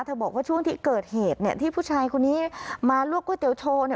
เธอบอกว่าช่วงที่เกิดเหตุที่ผู้ชายคนนี้มาลวกก๋วยเตี๋ยวโชว์